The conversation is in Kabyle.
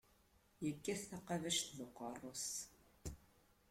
Yekkat taqabact deg uqerru-s.